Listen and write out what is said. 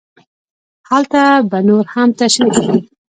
هلته به نور هم تشرېح شي.